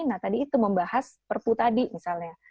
nah tadi itu membahas perpu tadi misalnya